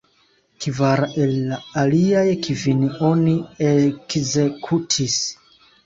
Kvar el la aliaj kvin oni ekzekutis.